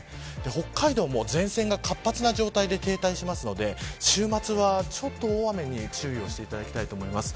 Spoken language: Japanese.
北海道も前線が活発な状態で停滞しますので週末は、ちょっと大雨に注意をしていただきたいと思います。